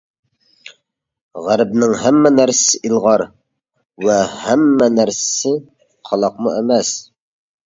غەربىنىڭ ھەممە نەرسىسى ئىلغار ۋە ھەممە نەرسىسى قالاقمۇ ئەمەس.